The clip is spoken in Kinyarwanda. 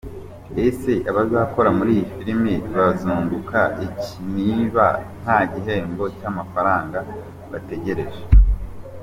Ese abazakora muri iyi filime bazunguka iki niba nta gihembo cy’amafaranga bategereje?.